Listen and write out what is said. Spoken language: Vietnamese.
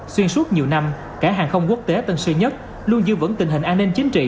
xuyên suốt nhiều năm cả hàng không quốc tế tân sư nhất luôn dư vấn tình hình an ninh chính trị